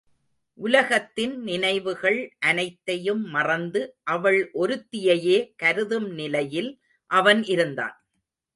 உலகத்தின் நினைவுகள் அனைத்தையும் மறந்து அவள் ஒருத்தியையே கருதும் நிலையில் அவன் இருந்தான்.